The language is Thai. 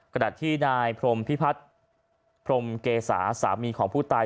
ขณะที่นายพรมพิพัฒน์พรมเกษาสามีของผู้ตาย